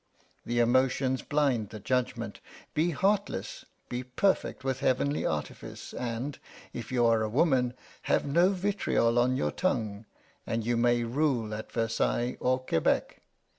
The emotions blind the judgment. Be heartless, be perfect with heavenly artifice, and, if you are a woman, have no vitriol on your tongue and you may rule at Versailles or Quebec.